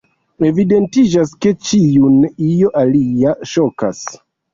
Evidentiĝas, ke ĉiun io alia ŝokas.